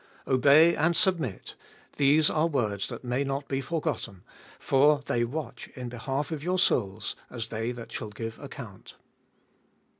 Obey and submit: these are words that may not be forgotten, for they watch in behalf of your souls, as they that shall give account.